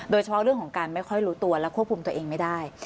โดยเฉพาะเรื่องของการไม่ค่อยรู้ตัวและควบคุมตัวเองไม่ได้